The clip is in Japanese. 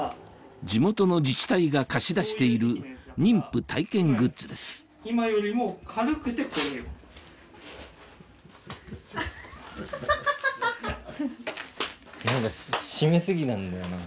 地元の自治体が貸し出している妊婦体験グッズですアハハハ。